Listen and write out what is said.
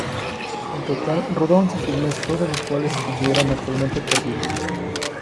En total rodó once filmes, todos los cuales se consideran actualmente perdidos.